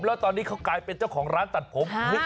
แล้วตอนนี้เขากลายเป็นเจ้าของร้านตัดผม